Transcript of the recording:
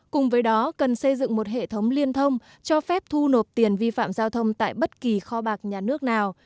cùng với đó cần xây dựng một hệ thống liên thông cho phép thu nộp tiền vi phạm giao thông tại bất kỳ kho bạc nhà nước nào